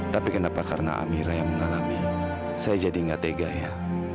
tapi kenapa karena amira yang mengalami saya jadi nggak tega ya